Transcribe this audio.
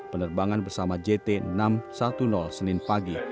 penerbangan bersama jt enam ratus sepuluh senin pagi